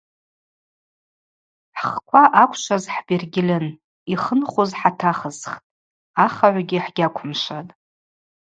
Хӏхква ъаквшваз хӏрыбергьльын йхынхуз хӏатахысхтӏ – ахыгӏвгьи хӏгьаквымшватӏ.